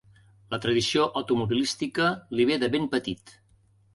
La tradició automobilística li ve de ben petit.